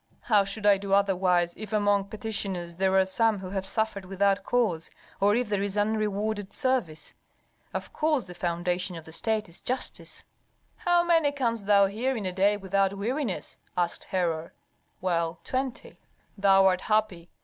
"How should I do otherwise if among petitioners there are some who have suffered without cause, or if there is unrewarded service? Of course the foundation of the state is justice." "How many canst thou hear in a day without weariness?" asked Herhor. "Well, twenty." "Thou art happy.